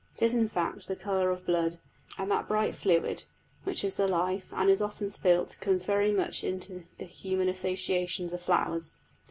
It is, in fact, the colour of blood, and that bright fluid, which is the life, and is often spilt, comes very much into the human associations of flowers.